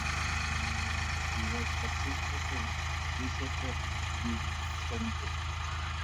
He was succeeded by Elisabeth Rue Strencbo.